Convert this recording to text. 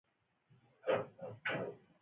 د انګلیسیانو کمپنۍ له تهدید څخه بېغمه شول.